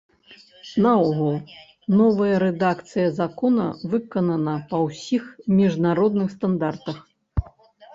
Наогул, новая рэдакцыя закона выканана па ўсіх міжнародных стандартах.